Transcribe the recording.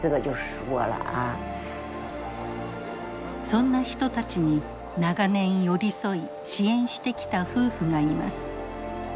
そんな人たちに長年寄り添い支援してきた夫婦がいます。